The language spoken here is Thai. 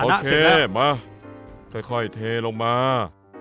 โอเคมาค่อยเทลงมา